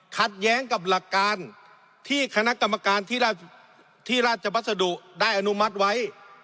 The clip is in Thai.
ขัดแย้งกับหลักการที่คณะกรรมการที่ราชบัสดุได้อนุมัติไว้